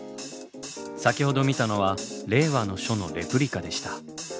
先ほど見たのは「令和」の書のレプリカでした。